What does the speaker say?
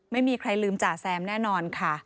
ไม่มีใครลืมจ่าแซมแน่นอนค่ะ